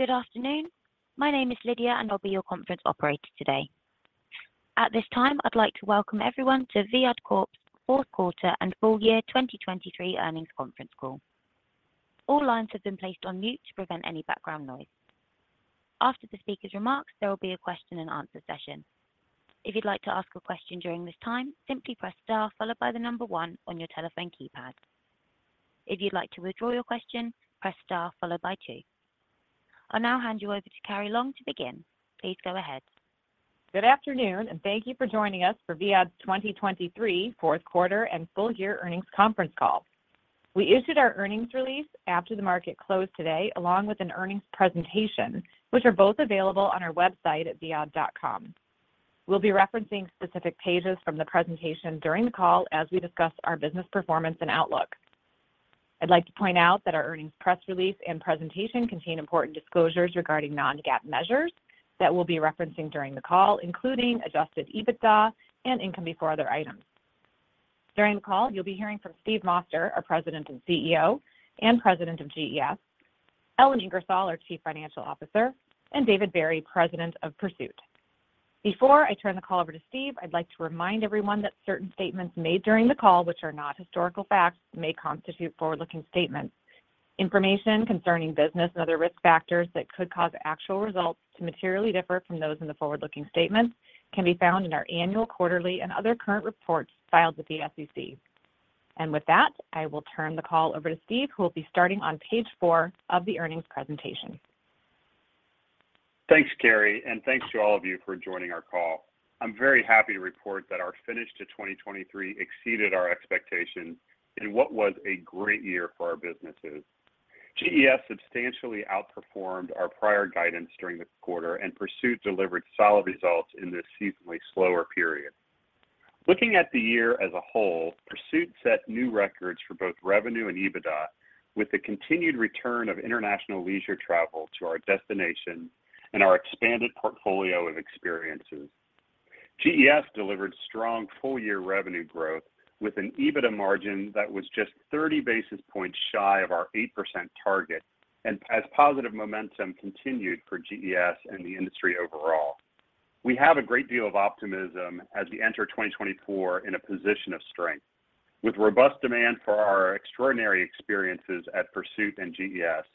Good afternoon. My name is Lydia, and I'll be your conference operator today. At this time, I'd like to welcome everyone to Viad Corp's fourth quarter and full year 2023 earnings conference call. All lines have been placed on mute to prevent any background noise. After the speaker's remarks, there will be a question-and-answer session. If you'd like to ask a question during this time, simply press star followed by the number one on your telephone keypad. If you'd like to withdraw your question, press star followed by two. I'll now hand you over to Carrie Long to begin. Please go ahead. Good afternoon, and thank you for joining us for VIAD's 2023 fourth quarter and full year earnings conference call. We issued our earnings release after the market closed today, along with an earnings presentation, which are both available on our website at viad.com. We'll be referencing specific pages from the presentation during the call as we discuss our business performance and outlook. I'd like to point out that our earnings press release and presentation contain important disclosures regarding non-GAAP measures that we'll be referencing during the call, including adjusted EBITDA and income before other items. During the call, you'll be hearing from Steve Moster, our President and CEO and President of GES, Ellen Ingersoll, our Chief Financial Officer, and David Barry, President of Pursuit. Before I turn the call over to Steve, I'd like to remind everyone that certain statements made during the call, which are not historical facts, may constitute forward-looking statements. Information concerning business and other risk factors that could cause actual results to materially differ from those in the forward-looking statements can be found in our annual, quarterly, and other current reports filed with the SEC. With that, I will turn the call over to Steve, who will be starting on page four of the earnings presentation. Thanks, Carrie, and thanks to all of you for joining our call. I'm very happy to report that our finish to 2023 exceeded our expectations in what was a great year for our businesses. GES substantially outperformed our prior guidance during the quarter, and Pursuit delivered solid results in this seasonally slower period. Looking at the year as a whole, Pursuit set new records for both revenue and EBITDA, with the continued return of international leisure travel to our destinations and our expanded portfolio of experiences. GES delivered strong full-year revenue growth with an EBITDA margin that was just 30 basis points shy of our 8% target, as positive momentum continued for GES and the industry overall. We have a great deal of optimism as we enter 2024 in a position of strength. With robust demand for our extraordinary experiences at Pursuit and GES,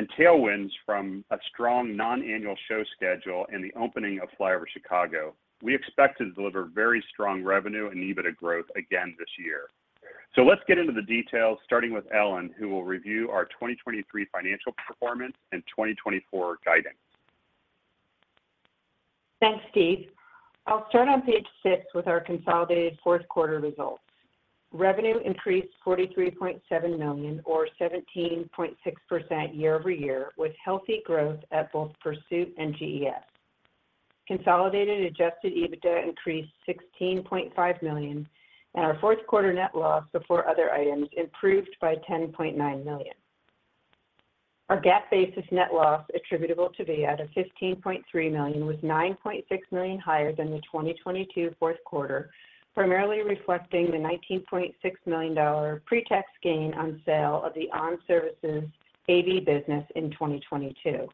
and tailwinds from a strong non-annual show schedule and the opening of FlyOver Chicago, we expect to deliver very strong revenue and EBITDA growth again this year. Let's get into the details, starting with Ellen, who will review our 2023 financial performance and 2024 guidance. Thanks, Steve. I'll start on page six with our consolidated fourth quarter results. Revenue increased $43.7 million, or 17.6% year-over-year, with healthy growth at both Pursuit and GES. Consolidated adjusted EBITDA increased $16.5 million, and our fourth quarter net loss, before other items, improved by $10.9 million. Our GAAP-basis net loss attributable to Viad of $15.3 million was $9.6 million higher than the 2022 fourth quarter, primarily reflecting the $19.6 million pre-tax gain on sale of the ON Services AV business in 2022,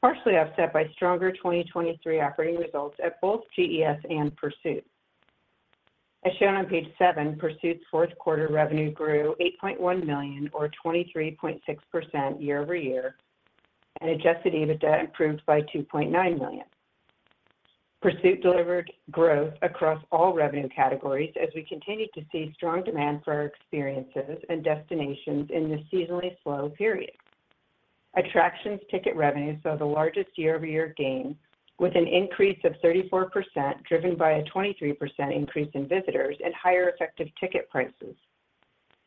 partially offset by stronger 2023 operating results at both GES and Pursuit. As shown on page seven, Pursuit's fourth quarter revenue grew $8.1 million, or 23.6% year-over-year, and adjusted EBITDA improved by $2.9 million. Pursuit delivered growth across all revenue categories as we continued to see strong demand for our experiences and destinations in this seasonally slow period. Attractions ticket revenues saw the largest year-over-year gain, with an increase of 34% driven by a 23% increase in visitors and higher effective ticket prices.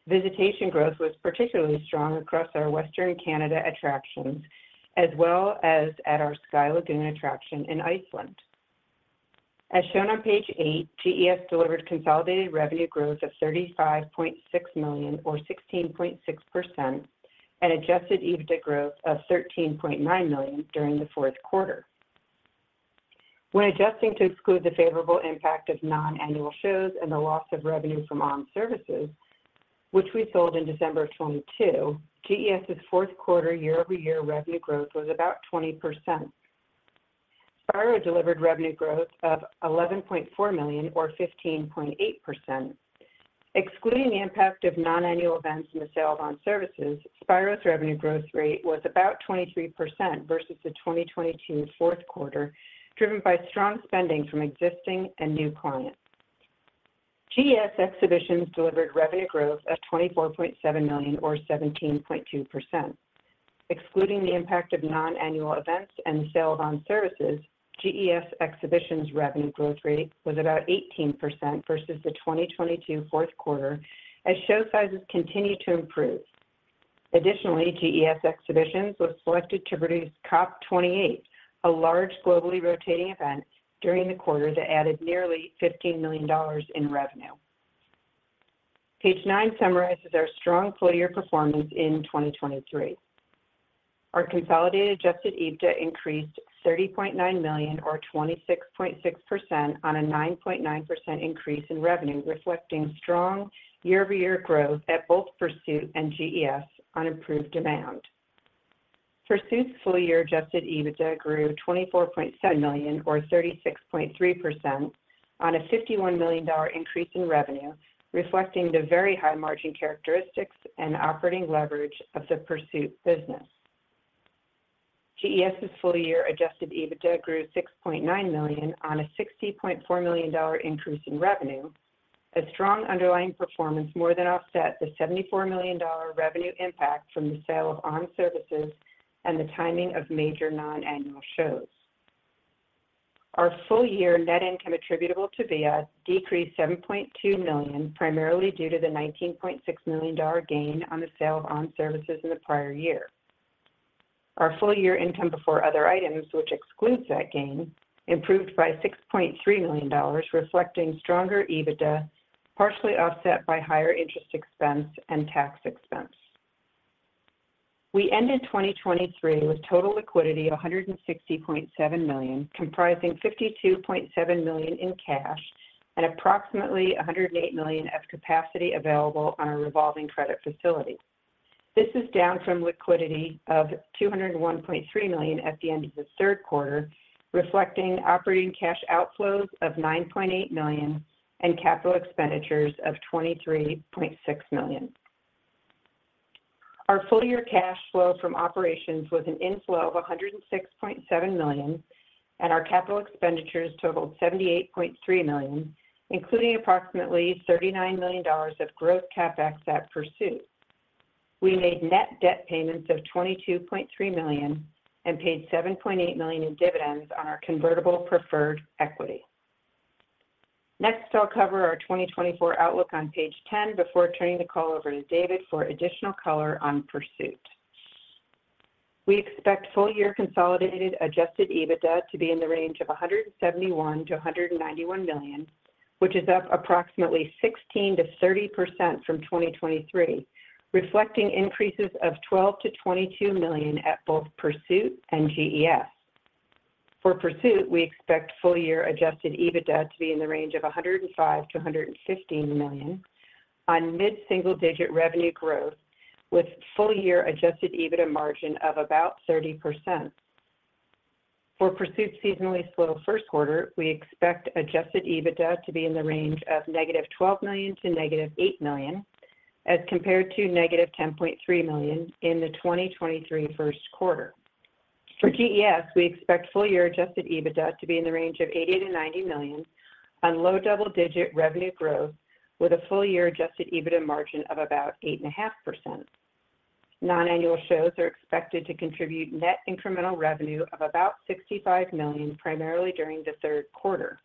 Visitation growth was particularly strong across our Western Canada attractions, as well as at our Sky Lagoon attraction in Iceland. As shown on page 8, GES delivered consolidated revenue growth of $35.6 million, or 16.6%, and adjusted EBITDA growth of $13.9 million during the fourth quarter. When adjusting to exclude the favorable impact of non-annual shows and the loss of revenue from ON Services, which we sold in December of 2022, GES's fourth quarter year-over-year revenue growth was about 20%. Spiro delivered revenue growth of $11.4 million, or 15.8%. Excluding the impact of non-annual events and the sale of ON Services, Spiro's revenue growth rate was about 23% versus the 2022 fourth quarter, driven by strong spending from existing and new clients. GES Exhibitions delivered revenue growth of $24.7 million, or 17.2%. Excluding the impact of non-annual events and the sale of On Services, GES Exhibitions' revenue growth rate was about 18% versus the 2022 fourth quarter, as show sizes continued to improve. Additionally, GES Exhibitions were selected to produce COP28, a large globally rotating event during the quarter that added nearly $15 million in revenue. Page nine summarizes our strong full-year performance in 2023. Our consolidated Adjusted EBITDA increased $30.9 million, or 26.6%, on a 9.9% increase in revenue, reflecting strong year-over-year growth at both Pursuit and GES on improved demand. Pursuit's full-year Adjusted EBITDA grew $24.7 million, or 36.3%, on a $51 million increase in revenue, reflecting the very high margin characteristics and operating leverage of the Pursuit business. GES's full-year adjusted EBITDA grew $6.9 million on a $60.4 million increase in revenue, a strong underlying performance more than offset the $74 million revenue impact from the sale of ON Services and the timing of major non-annual shows. Our full-year net income attributable to Viad decreased $7.2 million, primarily due to the $19.6 million gain on the sale of ON Services in the prior year. Our full-year income before other items, which excludes that gain, improved by $6.3 million, reflecting stronger EBITDA, partially offset by higher interest expense and tax expense. We ended 2023 with total liquidity of $160.7 million, comprising $52.7 million in cash and approximately $108 million of capacity available on our revolving credit facility. This is down from liquidity of $201.3 million at the end of the third quarter, reflecting operating cash outflows of $9.8 million and capital expenditures of $23.6 million. Our full-year cash flow from operations was an inflow of $106.7 million, and our capital expenditures totaled $78.3 million, including approximately $39 million of growth CapEx at Pursuit. We made net debt payments of $22.3 million and paid $7.8 million in dividends on our convertible preferred equity. Next, I'll cover our 2024 outlook on page 10 before turning the call over to David for additional color on Pursuit. We expect full-year consolidated adjusted EBITDA to be in the range of $171 million-$191 million, which is up approximately 16%-30% from 2023, reflecting increases of $12 million-$22 million at both Pursuit and GES. For Pursuit, we expect full-year adjusted EBITDA to be in the range of $105 million-$115 million on mid-single-digit revenue growth, with full-year adjusted EBITDA margin of about 30%. For Pursuit's seasonally slow first quarter, we expect Adjusted EBITDA to be in the range of -$12 million to -$8 million, as compared to -$10.3 million in the 2023 first quarter. For GES, we expect full-year Adjusted EBITDA to be in the range of $80 million-$90 million on low double-digit revenue growth, with a full-year Adjusted EBITDA margin of about 8.5%. Non-annual shows are expected to contribute net incremental revenue of about $65 million, primarily during the third quarter.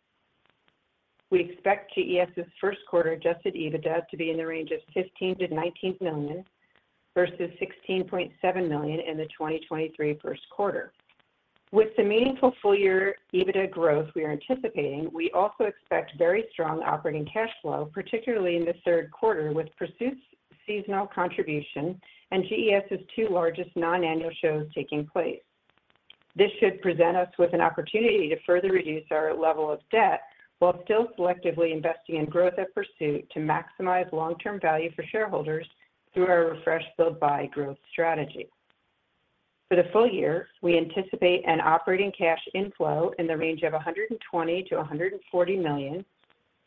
We expect GES's first quarter Adjusted EBITDA to be in the range of $15 million-$19 million versus $16.7 million in the 2023 first quarter. With the meaningful full-year EBITDA growth we are anticipating, we also expect very strong operating cash flow, particularly in the third quarter, with Pursuit's seasonal contribution and GES's two largest non-annual shows taking place. This should present us with an opportunity to further reduce our level of debt while still selectively investing in growth at Pursuit to maximize long-term value for shareholders through our refresh-build-buy growth strategy. For the full year, we anticipate an operating cash inflow in the range of $120 million-$140 million,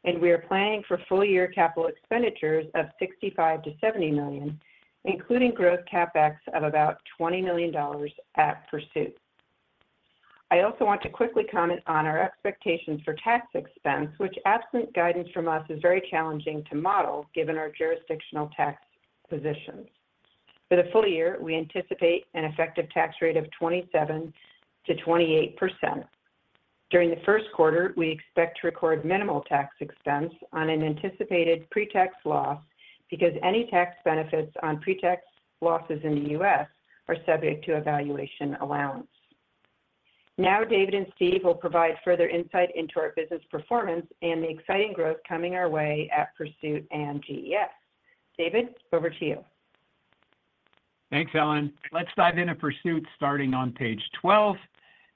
and we are planning for full-year capital expenditures of $65 million-$70 million, including growth CapEx of about $20 million at Pursuit. I also want to quickly comment on our expectations for tax expense, which absent guidance from us is very challenging to model given our jurisdictional tax positions. For the full year, we anticipate an effective tax rate of 27%-28%. During the first quarter, we expect to record minimal tax expense on an anticipated pre-tax loss because any tax benefits on pre-tax losses in the U.S. are subject to evaluation allowance. Now, David and Steve will provide further insight into our business performance and the exciting growth coming our way at Pursuit and GES. David, over to you. Thanks, Ellen. Let's dive into Pursuit starting on page 12.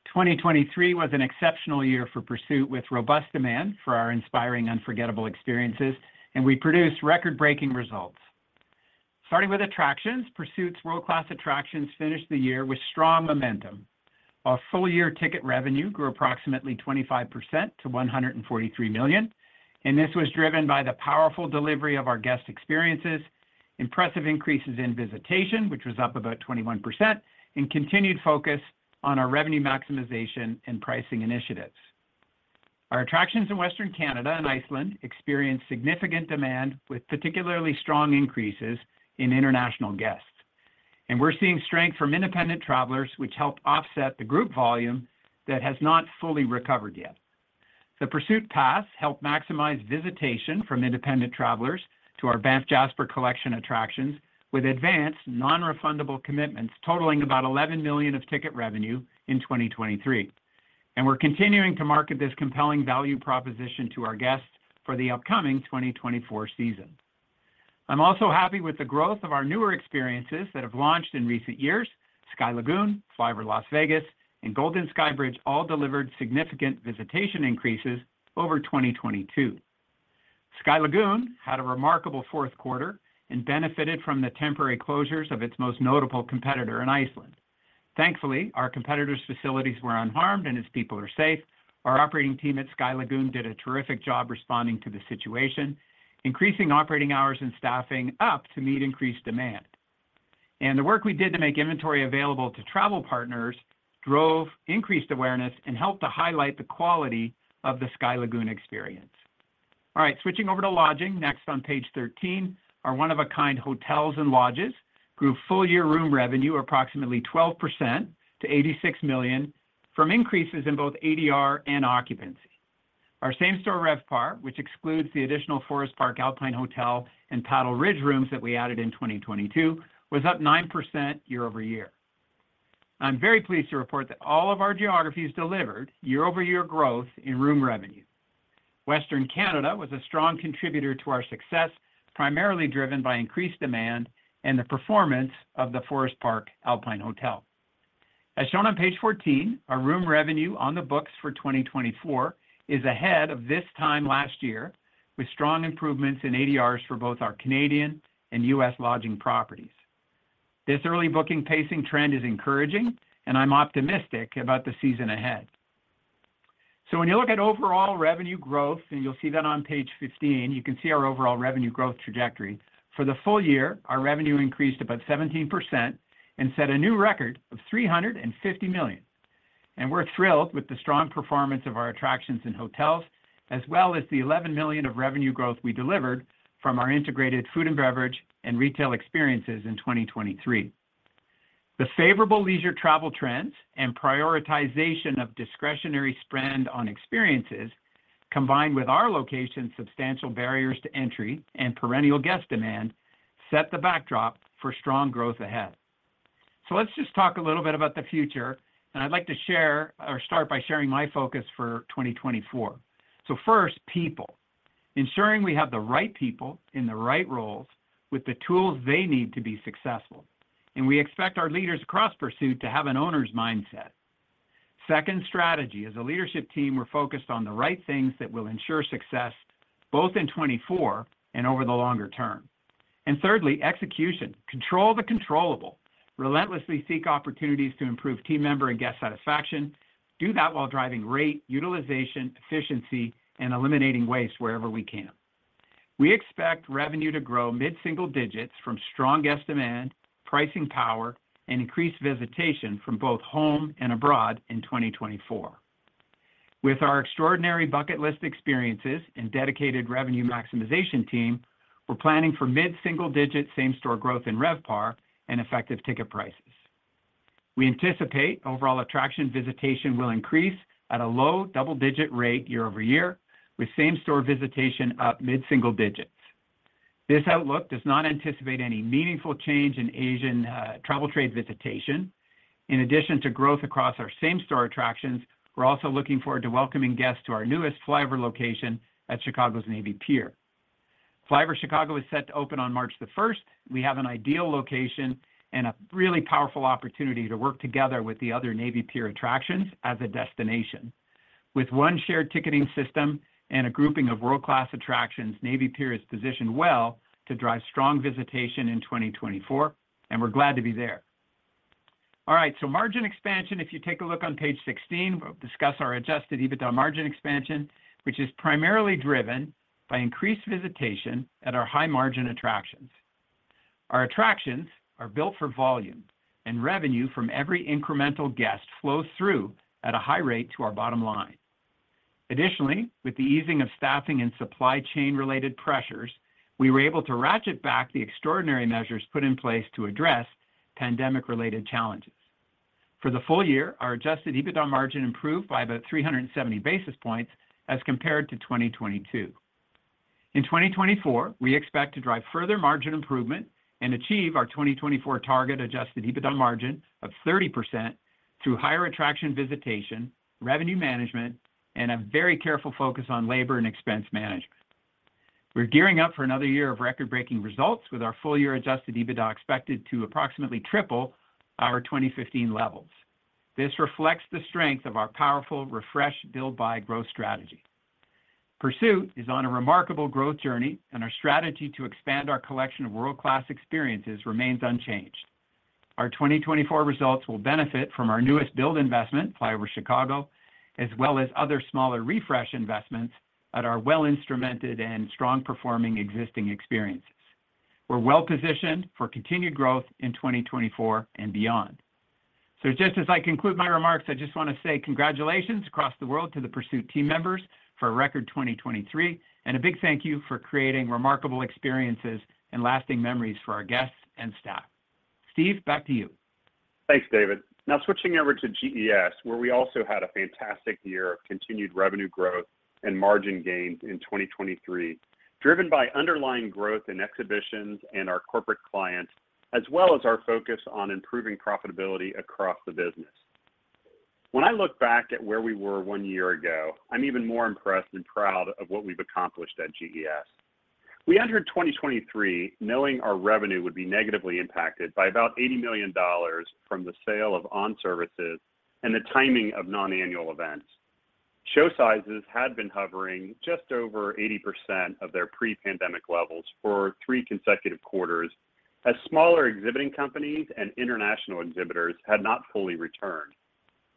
2023 was an exceptional year for Pursuit with robust demand for our inspiring, unforgettable experiences, and we produced record-breaking results. Starting with attractions, Pursuit's world-class attractions finished the year with strong momentum. Our full-year ticket revenue grew approximately 25% to $143 million, and this was driven by the powerful delivery of our guest experiences, impressive increases in visitation, which was up about 21%, and continued focus on our revenue maximization and pricing initiatives. Our attractions in Western Canada and Iceland experienced significant demand with particularly strong increases in international guests, and we're seeing strength from independent travelers, which helped offset the group volume that has not fully recovered yet. The Pursuit Pass helped maximize visitation from independent travelers to our Banff Jasper Collection attractions with advanced non-refundable commitments totaling about $11 million of ticket revenue in 2023, and we're continuing to market this compelling value proposition to our guests for the upcoming 2024 season. I'm also happy with the growth of our newer experiences that have launched in recent years. Sky Lagoon, FlyOver Las Vegas, and Golden Skybridge all delivered significant visitation increases over 2022. Sky Lagoon had a remarkable fourth quarter and benefited from the temporary closures of its most notable competitor in Iceland. Thankfully, our competitor's facilities were unharmed and its people are safe. Our operating team at Sky Lagoon did a terrific job responding to the situation, increasing operating hours and staffing up to meet increased demand. And the work we did to make inventory available to travel partners drove increased awareness, and helped to highlight the quality of the Sky Lagoon experience. All right, switching over to lodging. Next on page 13 are one-of-a-kind hotels and lodges, grew full-year room revenue approximately 12% to $86 million from increases in both ADR and occupancy. Our same-store RevPAR, which excludes the additional Forest Park Alpine Hotel and Paddle Ridge rooms that we added in 2022, was up 9% year-over-year. I'm very pleased to report that all of our geographies delivered year-over-year growth in room revenue. Western Canada was a strong contributor to our success, primarily driven by increased demand and the performance of the Forest Park Alpine Hotel. As shown on page 14, our room revenue on the books for 2024 is ahead of this time last year, with strong improvements in ADRs for both our Canadian and U.S. lodging properties. This early booking pacing trend is encouraging, and I'm optimistic about the season ahead. So when you look at overall revenue growth, and you'll see that on page 15, you can see our overall revenue growth trajectory. For the full year, our revenue increased about 17% and set a new record of $350 million. We're thrilled with the strong performance of our attractions and hotels, as well as the $11 million of revenue growth we delivered from our integrated food and beverage and retail experiences in 2023. The favorable leisure travel trends and prioritization of discretionary spend on experiences, combined with our location's substantial barriers to entry and perennial guest demand, set the backdrop for strong growth ahead. So let's just talk a little bit about the future, and I'd like to share or start by sharing my focus for 2024. So first, people. Ensuring we have the right people in the right roles with the tools they need to be successful. And we expect our leaders across Pursuit to have an owner's mindset. Second, strategy. As a leadership team, we're focused on the right things that will ensure success both in 2024 and over the longer term. And thirdly, execution. Control the controllable. Relentlessly seek opportunities to improve team member and guest satisfaction. Do that while driving rate, utilization, efficiency, and eliminating waste wherever we can. We expect revenue to grow mid-single digits from strong guest demand, pricing power, and increased visitation from both home and abroad in 2024. With our extraordinary bucket-list experiences and dedicated revenue maximization team, we're planning for mid-single-digit same-store growth in RevPAR and effective ticket prices. We anticipate overall attraction visitation will increase at a low double-digit rate year-over-year, with same-store visitation up mid-single digits. This outlook does not anticipate any meaningful change in Asian travel trade visitation. In addition to growth across our same-store attractions, we're also looking forward to welcoming guests to our newest FlyOver location at Chicago's Navy Pier. FlyOver Chicago is set to open on March 1st. We have an ideal location and a really powerful opportunity to work together with the other Navy Pier attractions as a destination. With one shared ticketing system and a grouping of world-class attractions, Navy Pier is positioned well to drive strong visitation in 2024, and we're glad to be there. All right, so margin expansion. If you take a look on page 16, we'll discuss our adjusted EBITDA margin expansion, which is primarily driven by increased visitation at our high-margin attractions. Our attractions are built for volume, and revenue from every incremental guest flows through at a high rate to our bottom line. Additionally, with the easing of staffing and supply chain-related pressures, we were able to ratchet back the extraordinary measures put in place to address pandemic-related challenges. For the full year, our adjusted EBITDA margin improved by about 370 basis points as compared to 2022. In 2024, we expect to drive further margin improvement and achieve our 2024 target Adjusted EBITDA margin of 30% through higher attraction visitation, revenue management, and a very careful focus on labor and expense management. We're gearing up for another year of record-breaking results, with our full-year Adjusted EBITDA expected to approximately triple our 2015 levels. This reflects the strength of our powerful refresh-build-buy growth strategy. Pursuit is on a remarkable growth journey, and our strategy to expand our collection of world-class experiences remains unchanged. Our 2024 results will benefit from our newest build investment, FlyOver Chicago, as well as other smaller refresh investments at our well-instrumented and strong-performing existing experiences. We're well-positioned for continued growth in 2024 and beyond. Just as I conclude my remarks, I just want to say congratulations across the world to the Pursuit team members for a record 2023, and a big thank you for creating remarkable experiences and lasting memories for our guests and staff. Steve, back to you. Thanks, David. Now, switching over to GES, where we also had a fantastic year of continued revenue growth and margin gains in 2023, driven by underlying growth in exhibitions and our corporate clients, as well as our focus on improving profitability across the business. When I look back at where we were one year ago, I'm even more impressed and proud of what we've accomplished at GES. We entered 2023 knowing our revenue would be negatively impacted by about $80 million from the sale of ON Services and the timing of non-annual events. Show sizes had been hovering just over 80% of their pre-pandemic levels for three consecutive quarters, as smaller exhibiting companies and international exhibitors had not fully returned.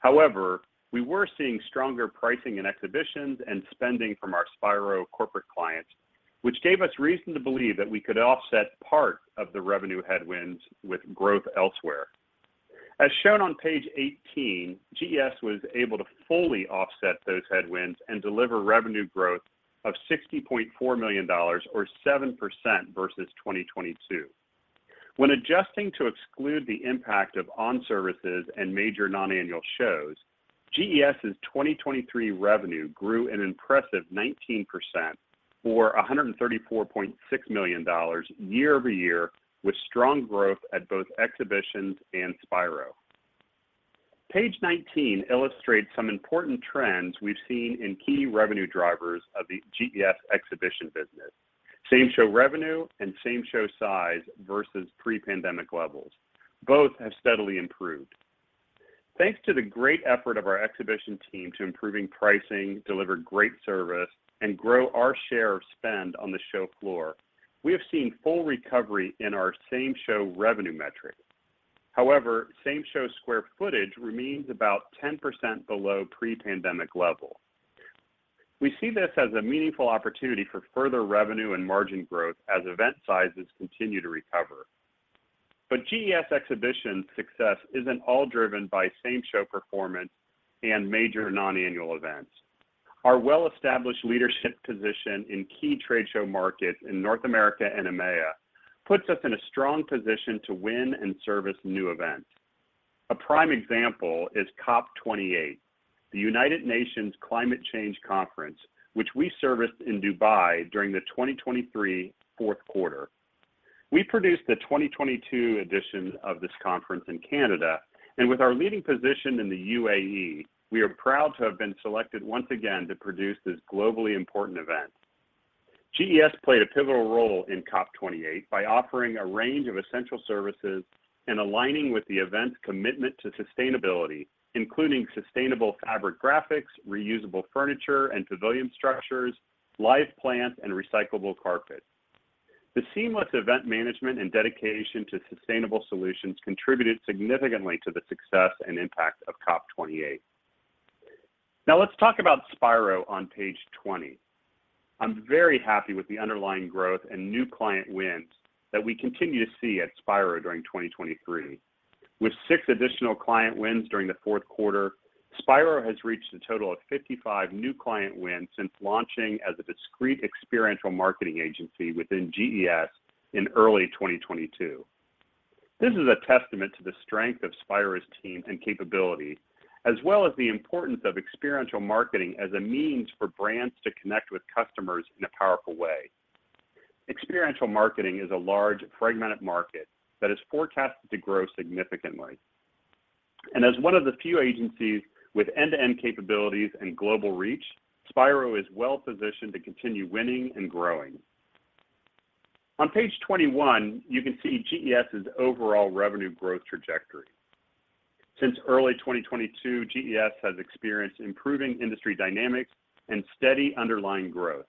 However, we were seeing stronger pricing in exhibitions and spending from our Spiro corporate clients, which gave us reason to believe that we could offset part of the revenue headwinds with growth elsewhere. As shown on page 18, GES was able to fully offset those headwinds and deliver revenue growth of $60.4 million, or 7% versus 2022. When adjusting to exclude the impact of ON Services and major non-annual shows, GES's 2023 revenue grew an impressive 19% for $134.6 million year-over-year, with strong growth at both exhibitions and Spiro. Page 19 illustrates some important trends we've seen in key revenue drivers of the GES exhibition business: same-show revenue and same-show size versus pre-pandemic levels. Both have steadily improved. Thanks to the great effort of our exhibition team to improving pricing, deliver great service, and grow our share of spend on the show floor, we have seen full recovery in our same-show revenue metric. However, same-show square footage remains about 10% below pre-pandemic level. We see this as a meaningful opportunity for further revenue and margin growth as event sizes continue to recover. But GES exhibition success isn't all driven by same-show performance and major non-annual events. Our well-established leadership position in key trade show markets in North America and EMEA puts us in a strong position to win and service new events. A prime example is COP28, the United Nations Climate Change Conference, which we serviced in Dubai during the 2023 fourth quarter. We produced the 2022 edition of this conference in Canada, and with our leading position in the UAE, we are proud to have been selected once again to produce this globally important event. GES played a pivotal role in COP28 by offering a range of essential services and aligning with the event's commitment to sustainability, including sustainable fabric graphics, reusable furniture and pavilion structures, live plants, and recyclable carpet. The seamless event management and dedication to sustainable solutions contributed significantly to the success and impact of COP28. Now, let's talk about Spiro on page 20. I'm very happy with the underlying growth and new client wins that we continue to see at Spiro during 2023. With six additional client wins during the fourth quarter, Spiro has reached a total of 55 new client wins since launching as a discrete experiential marketing agency within GES in early 2022. This is a testament to the strength of Spiro's team and capability, as well as the importance of experiential marketing as a means for brands to connect with customers in a powerful way. Experiential marketing is a large, fragmented market that is forecasted to grow significantly. And as one of the few agencies with end-to-end capabilities and global reach, Spiro is well-positioned to continue winning and growing. On page 21, you can see GES's overall revenue growth trajectory. Since early 2022, GES has experienced improving industry dynamics and steady underlying growth.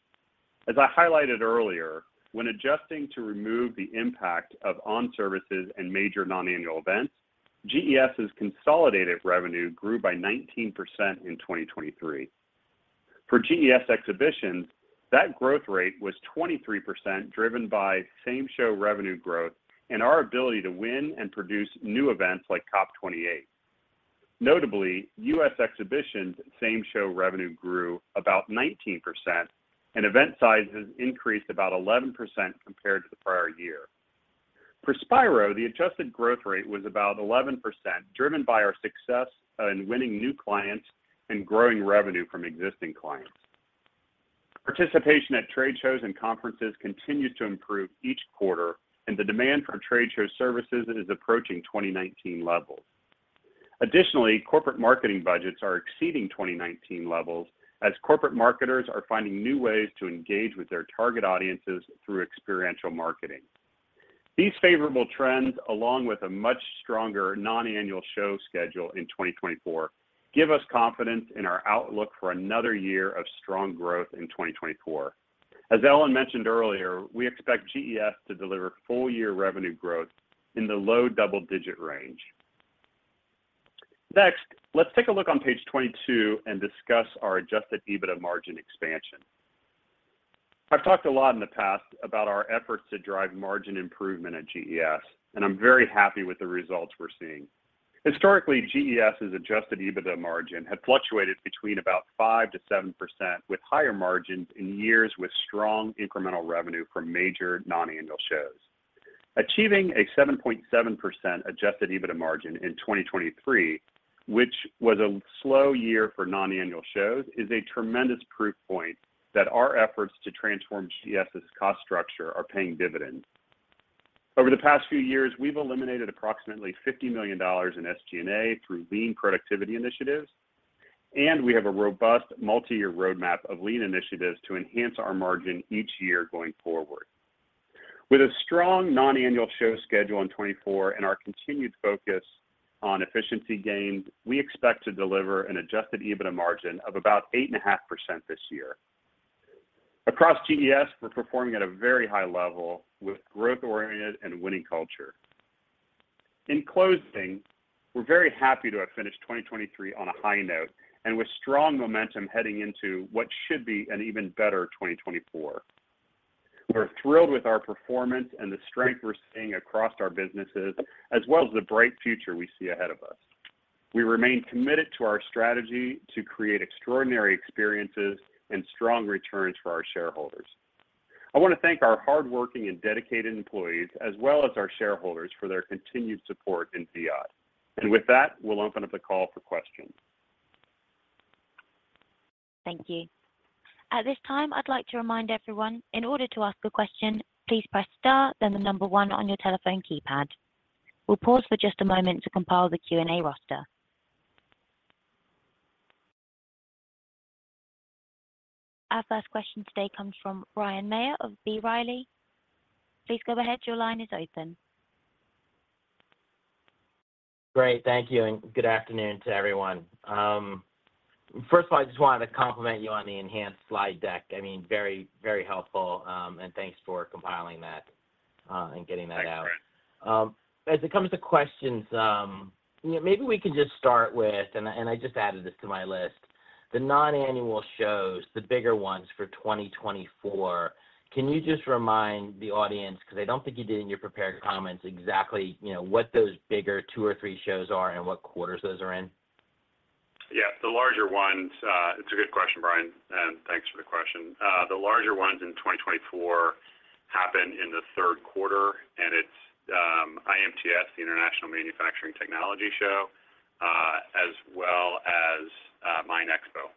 As I highlighted earlier, when adjusting to remove the impact of ON Services and major non-annual events, GES's consolidated revenue grew by 19% in 2023. For GES exhibitions, that growth rate was 23% driven by same-show revenue growth and our ability to win and produce new events like COP28. Notably, U.S. Exhibitions' same-show revenue grew about 19%, and event sizes increased about 11% compared to the prior year. For Spiro, the adjusted growth rate was about 11% driven by our success in winning new clients and growing revenue from existing clients. Participation at trade shows and conferences continues to improve each quarter, and the demand for trade show services is approaching 2019 levels. Additionally, corporate marketing budgets are exceeding 2019 levels, as corporate marketers are finding new ways to engage with their target audiences through experiential marketing. These favorable trends, along with a much stronger non-annual show schedule in 2024, give us confidence in our outlook for another year of strong growth in 2024. As Ellen mentioned earlier, we expect GES to deliver full-year revenue growth in the low double-digit range. Next, let's take a look on page 22 and discuss our Adjusted EBITDA margin expansion. I've talked a lot in the past about our efforts to drive margin improvement at GES, and I'm very happy with the results we're seeing. Historically, GES's Adjusted EBITDA margin had fluctuated between about 5%-7%, with higher margins in years with strong incremental revenue from major non-annual shows. Achieving a 7.7% Adjusted EBITDA margin in 2023, which was a slow year for non-annual shows, is a tremendous proof point that our efforts to transform GES's cost structure are paying dividends. Over the past few years, we've eliminated approximately $50 million in SG&A through lean productivity initiatives, and we have a robust multi-year roadmap of lean initiatives to enhance our margin each year going forward. With a strong non-annual show schedule in 2024 and our continued focus on efficiency gains, we expect to deliver an Adjusted EBITDA margin of about 8.5% this year. Across GES, we're performing at a very high level with growth-oriented and winning culture. In closing, we're very happy to have finished 2023 on a high note and with strong momentum heading into what should be an even better 2024. We're thrilled with our performance and the strength we're seeing across our businesses, as well as the bright future we see ahead of us. We remain committed to our strategy to create extraordinary experiences and strong returns for our shareholders. I want to thank our hardworking and dedicated employees, as well as our shareholders, for their continued support in Viad. With that, we'll open up the call for questions. Thank you. At this time, I'd like to remind everyone, in order to ask a question, please press star, then the number one on your telephone keypad. We'll pause for just a moment to compile the Q and A roster. Our first question today comes from Bryan Maher of B Riley. Please go ahead. Your line is open. Great. Thank you, and good afternoon to everyone. First of all, I just wanted to compliment you on the enhanced slide deck. I mean, very, very helpful, and thanks for compiling that and getting that out. As it comes to questions, maybe we can just start with, and I just added this to my list. The non-annual shows, the bigger ones for 2024, can you just remind the audience because I don't think you did in your prepared comments exactly what those bigger two or three shows are and what quarters those are in? Yeah. The larger ones—it's a good question, Bryan, and thanks for the question. The larger ones in 2024 happen in the third quarter, and it's IMTS, the International Manufacturing Technology Show, as well as MINExpo.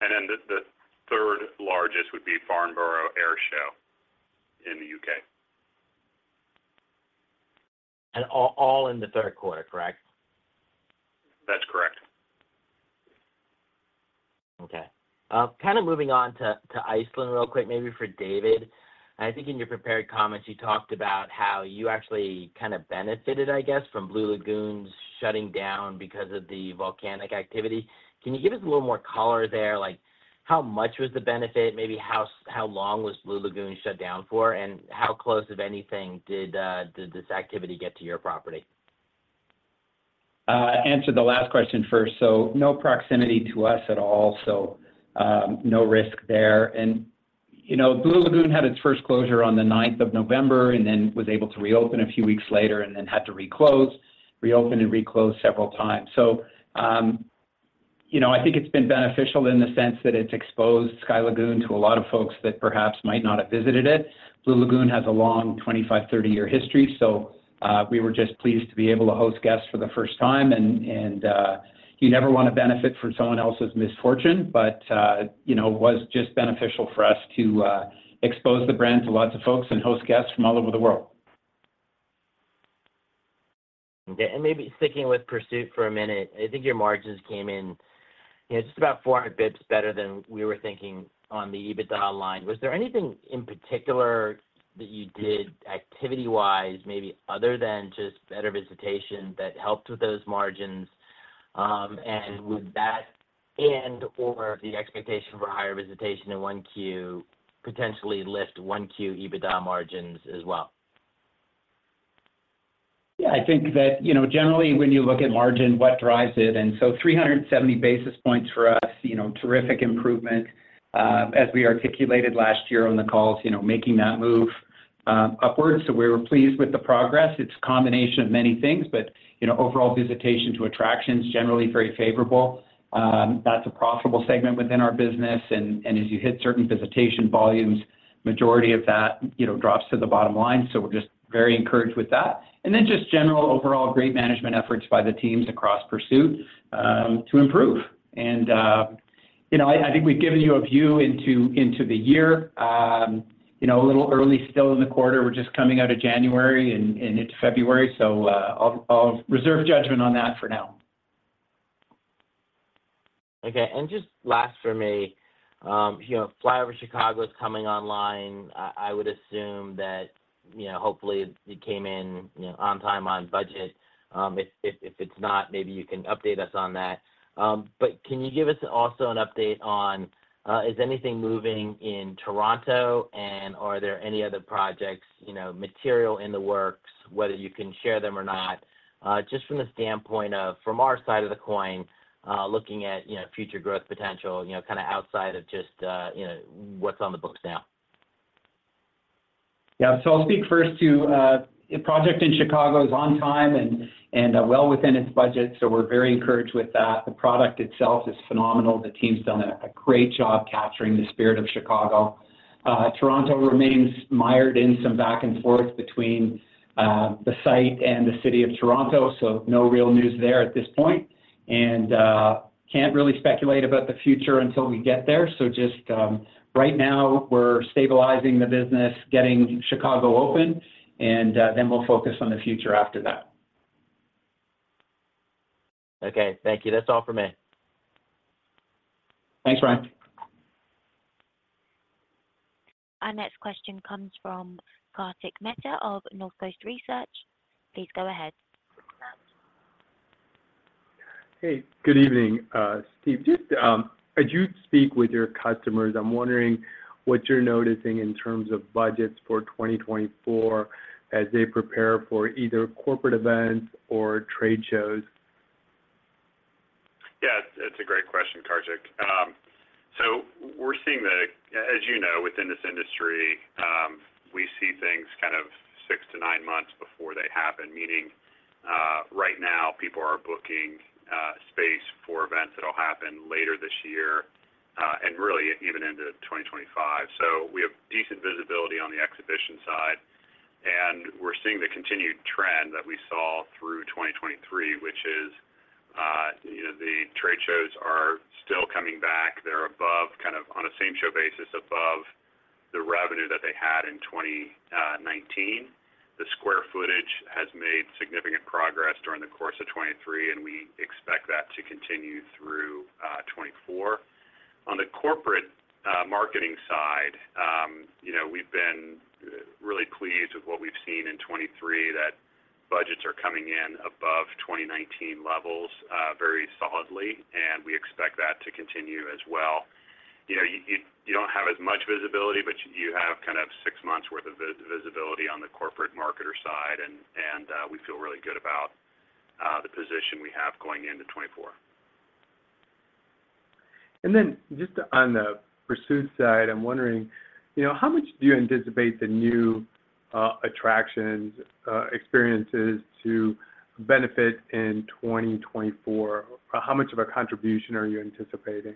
And then the third largest would be Farnborough Air Show in the U.K. All in the third quarter, correct? That's correct. Okay. Kind of moving on to Iceland real quick, maybe for David. I think in your prepared comments, you talked about how you actually kind of benefited, I guess, from Blue Lagoon's shutting down because of the volcanic activity. Can you give us a little more color there? How much was the benefit? Maybe how long was Blue Lagoon shut down for? And how close, if anything, did this activity get to your property? Answer the last question first. So no proximity to us at all, so no risk there. And Blue Lagoon had its first closure on the November 19th and then was able to reopen a few weeks later and then had to reclose, reopen, and reclose several times. So I think it's been beneficial in the sense that it's exposed Sky Lagoon to a lot of folks that perhaps might not have visited it. Blue Lagoon has a long 25-30-year history, so we were just pleased to be able to host guests for the first time. And you never want to benefit from someone else's misfortune, but it was just beneficial for us to expose the brand to lots of folks and host guests from all over the world. Okay. Maybe sticking with Pursuit for a minute, I think your margins came in just about 400 basis points better than we were thinking on the EBITDA line. Was there anything in particular that you did activity-wise, maybe other than just better visitation, that helped with those margins? Would that and/or the expectation for higher visitation in 1Q potentially lift 1Q EBITDA margins as well? Yeah. I think that generally, when you look at margin, what drives it? And so 370 basis points for us, terrific improvement. As we articulated last year on the calls, making that move upward. So we were pleased with the progress. It's a combination of many things, but overall visitation to attractions, generally very favorable. That's a profitable segment within our business. And as you hit certain visitation volumes, the majority of that drops to the bottom line. So we're just very encouraged with that. And then just general overall great management efforts by the teams across Pursuit to improve. And I think we've given you a view into the year. A little early still in the quarter. We're just coming out of January and into February, so I'll reserve judgment on that for now. Okay. And just last for me, FlyOver Chicago is coming online. I would assume that hopefully it came in on time, on budget. If it's not, maybe you can update us on that. But can you give us also an update on is anything moving in Toronto, and are there any other projects, material in the works, whether you can share them or not, just from the standpoint of from our side of the coin, looking at future growth potential kind of outside of just what's on the books now? Yeah. So I'll speak first to the project in Chicago is on time and well within its budget, so we're very encouraged with that. The product itself is phenomenal. The team's done a great job capturing the spirit of Chicago. Toronto remains mired in some back and forth between the site and the city of Toronto, so no real news there at this point. And can't really speculate about the future until we get there. So just right now, we're stabilizing the business, getting Chicago open, and then we'll focus on the future after that. Okay. Thank you. That's all from me. Thanks, Bryan. Our next question comes from Kartik Mehta of Northcoast Research. Please go ahead. Hey. Good evening, Steve. Just as you speak with your customers, I'm wondering what you're noticing in terms of budgets for 2024 as they prepare for either corporate events or trade shows? Yeah. It's a great question, Kartik. So we're seeing, as you know, within this industry, we see things kind of six to nine months before they happen, meaning right now, people are booking space for events that'll happen later this year and really even into 2025. So we have decent visibility on the exhibition side, and we're seeing the continued trend that we saw through 2023, which is the trade shows are still coming back. They're kind of on a same-show basis, above the revenue that they had in 2019. The square footage has made significant progress during the course of 2023, and we expect that to continue through 2024. On the corporate marketing side, we've been really pleased with what we've seen in 2023, that budgets are coming in above 2019 levels very solidly, and we expect that to continue as well. You don't have as much visibility, but you have kind of six months' worth of visibility on the corporate marketer side, and we feel really good about the position we have going into 2024. And then just on the Pursuit side, I'm wondering, how much do you anticipate the new attractions experiences to benefit in 2024? How much of a contribution are you anticipating?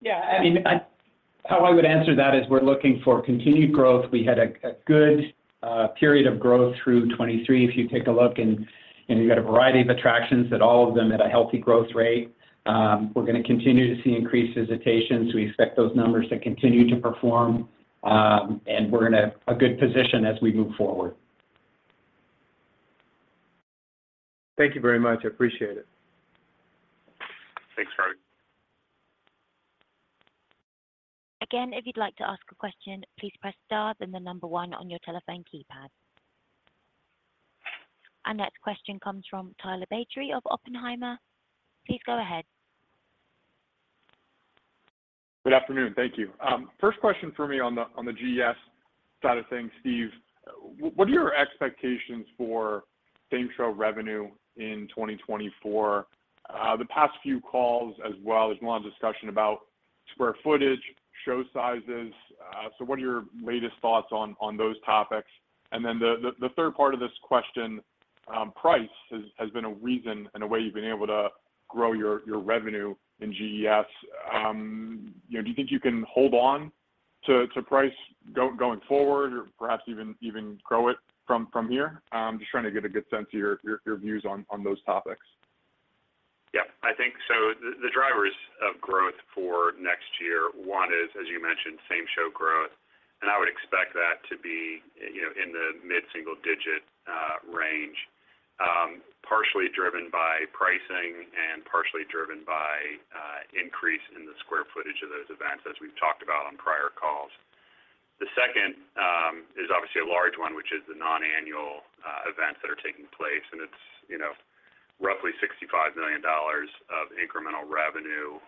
Yeah. I mean, how I would answer that is we're looking for continued growth. We had a good period of growth through 2023 if you take a look, and you got a variety of attractions that all of them had a healthy growth rate. We're going to continue to see increased visitations. We expect those numbers to continue to perform, and we're in a good position as we move forward. Thank you very much. I appreciate it. Thanks, Kartik. Again, if you'd like to ask a question, please press star, then the number one on your telephone keypad. Our next question comes from Tyler Batory of Oppenheimer. Please go ahead. Good afternoon. Thank you. First question for me on the GES side of things, Steve. What are your expectations for same-show revenue in 2024? The past few calls as well. There's been a lot of discussion about square footage, show sizes. So what are your latest thoughts on those topics? And then the third part of this question, price, has been a reason and a way you've been able to grow your revenue in GES. Do you think you can hold on to price going forward or perhaps even grow it from here? Just trying to get a good sense of your views on those topics. Yeah. I think so. The drivers of growth for next year, one is, as you mentioned, same-show growth. And I would expect that to be in the mid-single-digit range, partially driven by pricing and partially driven by increase in the square footage of those events, as we've talked about on prior calls. The second is obviously a large one, which is the non-annual events that are taking place. And it's roughly $65 million of incremental revenue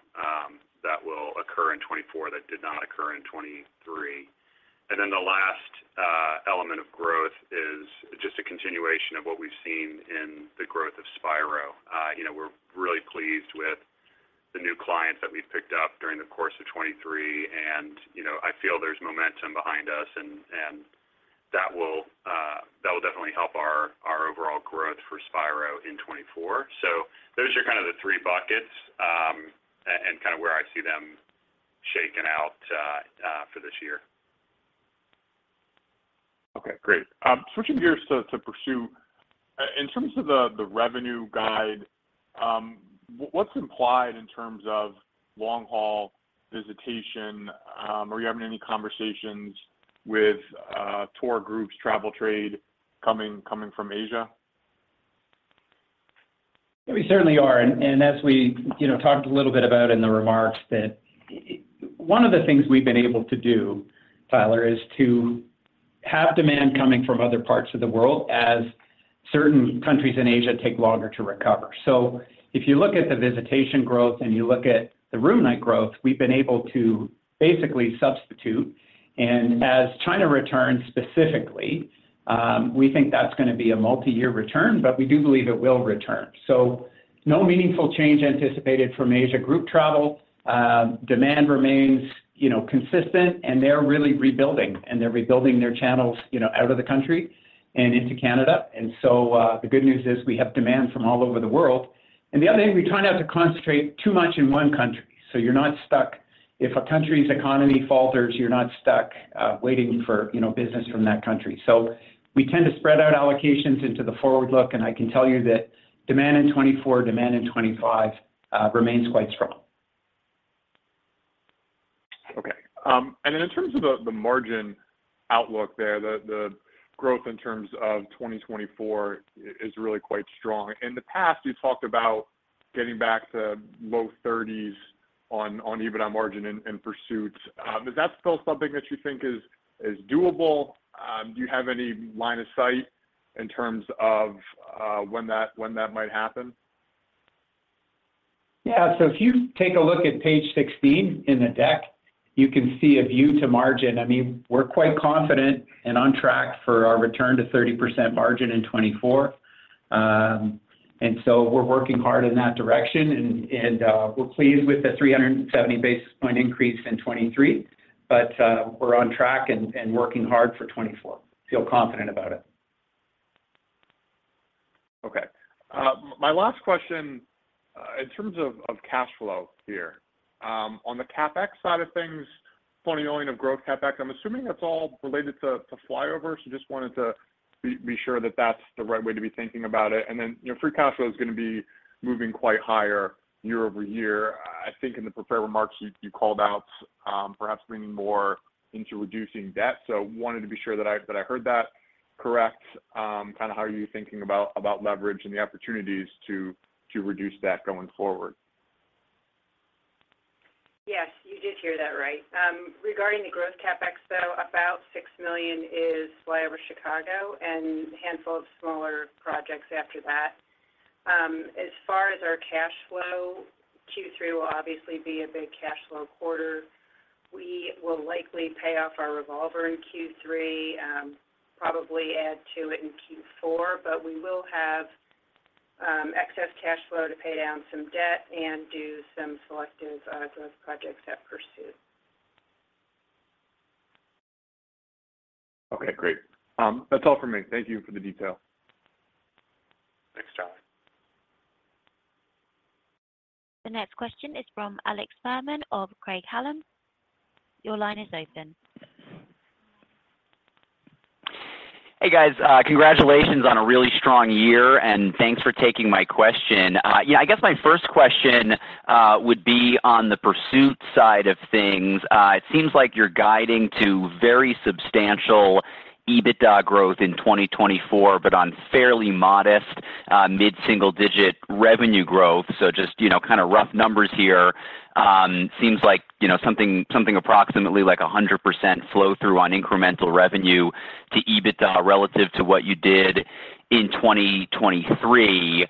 that will occur in 2024 that did not occur in 2023. And then the last element of growth is just a continuation of what we've seen in the growth of Spiro. We're really pleased with the new clients that we've picked up during the course of 2023, and I feel there's momentum behind us, and that will definitely help our overall growth for Spiro in 2024. Those are kind of the three buckets and kind of where I see them shaking out for this year. Okay. Great. Switching gears to Pursuit, in terms of the revenue guide, what's implied in terms of long-haul visitation? Are you having any conversations with tour groups, travel trade, coming from Asia? Yeah. We certainly are. And as we talked a little bit about in the remarks that one of the things we've been able to do, Tyler, is to have demand coming from other parts of the world as certain countries in Asia take longer to recover. So if you look at the visitation growth and you look at the room-night growth, we've been able to basically substitute. And as China returns specifically, we think that's going to be a multi-year return, but we do believe it will return. So no meaningful change anticipated from Asia group travel. Demand remains consistent, and they're really rebuilding, and they're rebuilding their channels out of the country and into Canada. And so the good news is we have demand from all over the world. And the other thing, we try not to concentrate too much in one country. So you're not stuck if a country's economy falters, you're not stuck waiting for business from that country. So we tend to spread out allocations into the forward look, and I can tell you that demand in 2024, demand in 2025 remains quite strong. Okay. And then in terms of the margin outlook there, the growth in terms of 2024 is really quite strong. In the past, you've talked about getting back to low 30s on EBITDA margin in Pursuit. Is that still something that you think is doable? Do you have any line of sight in terms of when that might happen? Yeah. So if you take a look at page 16 in the deck, you can see a view to margin. I mean, we're quite confident and on track for our return to 30% margin in 2024. And so we're working hard in that direction, and we're pleased with the 370 basis point increase in 2023, but we're on track and working hard for 2024. Feel confident about it. Okay. My last question, in terms of cash flow here, on the CapEx side of things, $20 million of growth CapEx, I'm assuming that's all related to FlyOver, so just wanted to be sure that that's the right way to be thinking about it. Then free cash flow is going to be moving quite higher year-over-year. I think in the prepared remarks, you called out perhaps leaning more into reducing debt, so wanted to be sure that I heard that correct. Kind of how are you thinking about leverage and the opportunities to reduce debt going forward? Yes. You did hear that right. Regarding the growth CapEx, though, about $6 million is FlyOver Chicago and a handful of smaller projects after that. As far as our cash flow, Q3 will obviously be a big cash flow quarter. We will likely pay off our revolver in Q3, probably add to it in Q4, but we will have excess cash flow to pay down some debt and do some selective growth projects at Pursuit. Okay. Great. That's all from me. Thank you for the detail. Thanks, Tyler. The next question is from Alex Fuhrman of Craig-Hallum. Your line is open. Hey, guys. Congratulations on a really strong year, and thanks for taking my question. I guess my first question would be on the Pursuit side of things. It seems like you're guiding to very substantial EBITDA growth in 2024, but on fairly modest mid-single-digit revenue growth. So just kind of rough numbers here. Seems like something approximately like 100% flow-through on incremental revenue to EBITDA relative to what you did in 2023.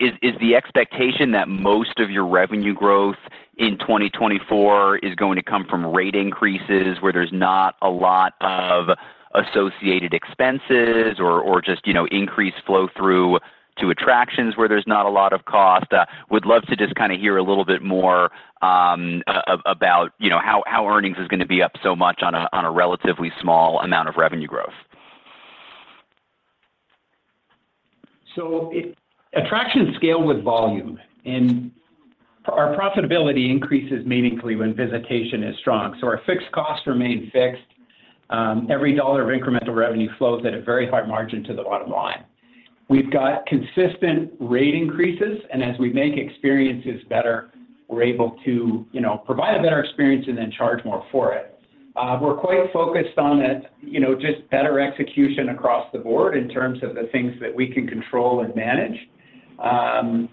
Is the expectation that most of your revenue growth in 2024 is going to come from rate increases where there's not a lot of associated expenses or just increased flow-through to attractions where there's not a lot of cost? Would love to just kind of hear a little bit more about how earnings is going to be up so much on a relatively small amount of revenue growth? So attractions scale with volume, and our profitability increases meaningfully when visitation is strong. Our fixed costs remain fixed. Every dollar of incremental revenue flows at a very high margin to the bottom line. We've got consistent rate increases, and as we make experiences better, we're able to provide a better experience and then charge more for it. We're quite focused on just better execution across the board in terms of the things that we can control and manage. The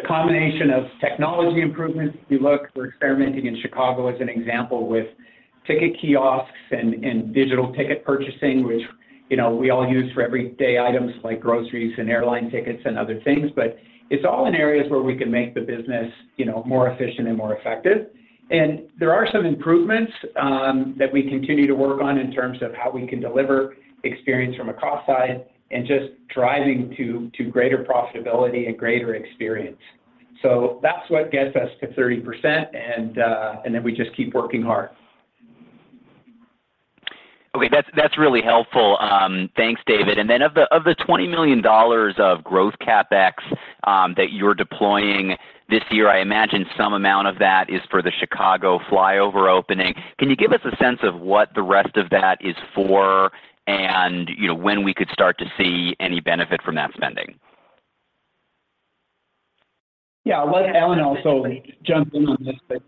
combination of technology improvements, if you look, we're experimenting in Chicago as an example with ticket kiosks and digital ticket purchasing, which we all use for everyday items like groceries and airline tickets and other things. But it's all in areas where we can make the business more efficient and more effective. There are some improvements that we continue to work on in terms of how we can deliver experience from a cost side and just driving to greater profitability and greater experience. That's what gets us to 30%, and then we just keep working hard. Okay. That's really helpful. Thanks, David. And then of the $20 million of growth CapEx that you're deploying this year, I imagine some amount of that is for the FlyOver Chicago opening. Can you give us a sense of what the rest of that is for and when we could start to see any benefit from that spending? Yeah. Let Ellen also jump in on this. But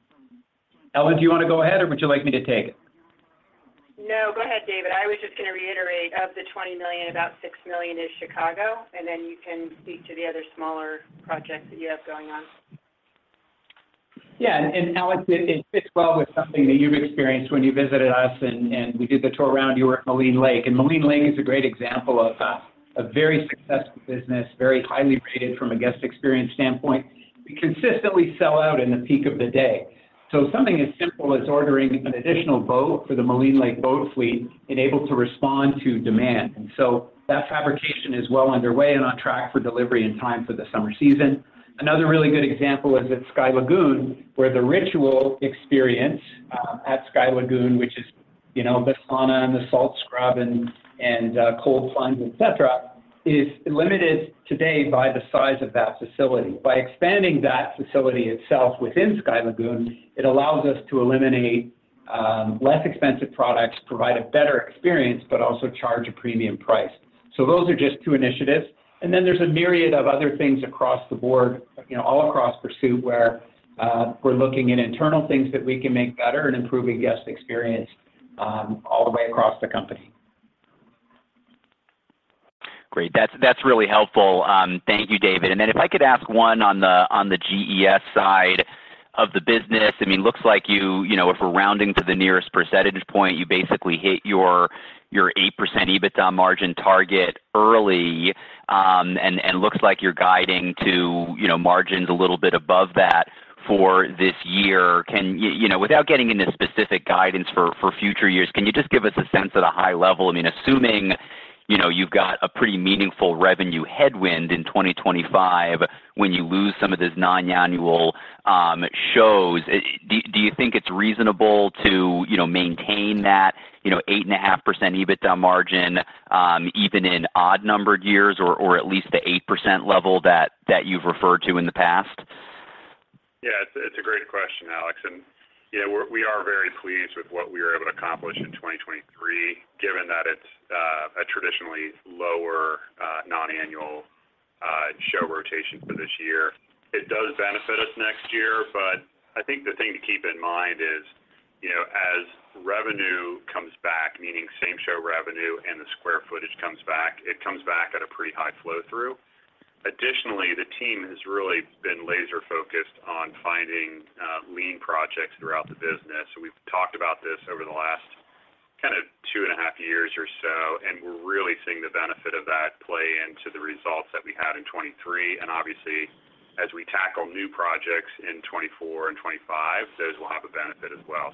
Ellen, do you want to go ahead, or would you like me to take it? No. Go ahead, David. I was just going to reiterate, of the $20 million, about $6 million is Chicago, and then you can speak to the other smaller projects that you have going on. Yeah. And Alex, it fits well with something that you've experienced when you visited us and we did the tour round. You were at Moraine Lake. And Moraine Lake is a great example of a very successful business, very highly rated from a guest experience standpoint. We consistently sell out in the peak of the day. So something as simple as ordering an additional boat for the Moraine Lake boat fleet is able to respond to demand. And so that fabrication is well underway and on track for delivery in time for the summer season. Another really good example is at Sky Lagoon, where the ritual experience at Sky Lagoon, which is the sauna and the salt scrub and cold plunge, etc., is limited today by the size of that facility. By expanding that facility itself within Sky Lagoon, it allows us to eliminate less expensive products, provide a better experience, but also charge a premium price. Those are just two initiatives. There's a myriad of other things across the board all across Pursuit where we're looking at internal things that we can make better and improve guest experience all the way across the company. Great. That's really helpful. Thank you, David. And then if I could ask one on the GES side of the business, I mean, looks like if we're rounding to the nearest percentage point, you basically hit your 8% EBITDA margin target early, and looks like you're guiding to margins a little bit above that for this year. Without getting into specific guidance for future years, can you just give us a sense at a high level? I mean, assuming you've got a pretty meaningful revenue headwind in 2025 when you lose some of those non-annual shows, do you think it's reasonable to maintain that 8.5% EBITDA margin even in odd-numbered years or at least the 8% level that you've referred to in the past? Yeah. It's a great question, Alex. We are very pleased with what we were able to accomplish in 2023, given that it's a traditionally lower non-annual show rotation for this year. It does benefit us next year, but I think the thing to keep in mind is as revenue comes back, meaning same-show revenue and the square footage comes back, it comes back at a pretty high flow-through. Additionally, the team has really been laser-focused on finding lean projects throughout the business. We've talked about this over the last kind of two and a half years or so, and we're really seeing the benefit of that play into the results that we had in 2023. Obviously, as we tackle new projects in 2024 and 2025, those will have a benefit as well.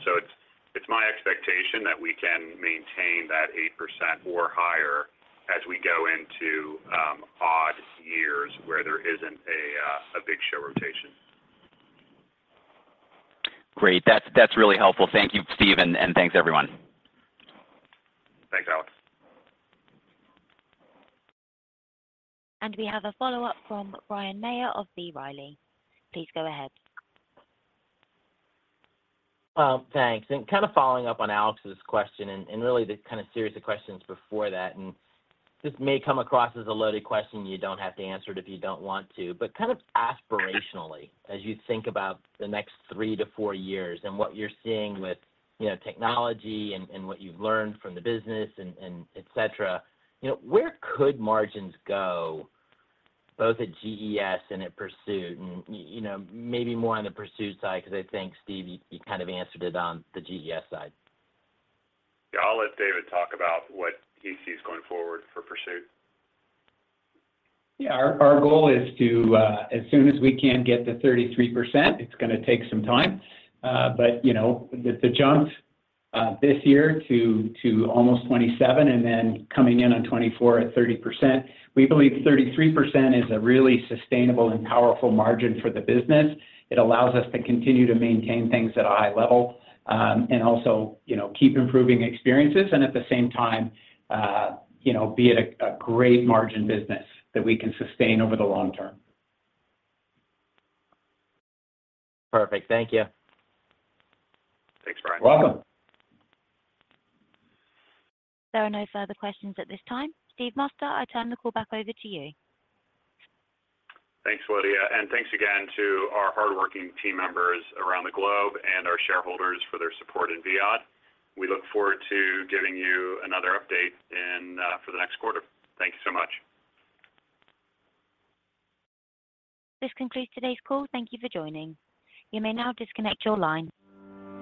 It's my expectation that we can maintain that 8% or higher as we go into odd years where there isn't a big show rotation. Great. That's really helpful. Thank you, Steve, and thanks, everyone. Thanks, Alex. We have a follow-up from Bryan Maher of B Riley. Please go ahead. Thanks. And kind of following up on Alex's question and really the kind of series of questions before that, and this may come across as a loaded question you don't have to answer it if you don't want to, but kind of aspirationally, as you think about the next three to four years and what you're seeing with technology and what you've learned from the business, etc., where could margins go both at GES and at Pursuit? And maybe more on the Pursuit side because I think, Steve, you kind of answered it on the GES side. Yeah. I'll let David talk about what he sees going forward for Pursuit. Yeah. Our goal is to, as soon as we can get to 33%. It's going to take some time, but the jump this year to almost 27% and then coming in on 2024 at 30%, we believe 33% is a really sustainable and powerful margin for the business. It allows us to continue to maintain things at a high level and also keep improving experiences and at the same time be at a great margin business that we can sustain over the long term. Perfect. Thank you. Thanks, Bryan. You're welcome. There are no further questions at this time. Steve Moster, I turn the call back over to you. Thanks, Lydia. Thanks again to our hardworking team members around the globe and our shareholders for their support in Viad. We look forward to giving you another update for the next quarter. Thank you so much. This concludes today's call. Thank you for joining. You may now disconnect your line.